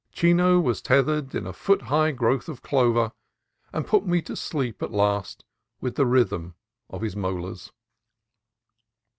Chino was tethered in a foot high growth of clover, and put me to sleep at last with the rhythm of his molars.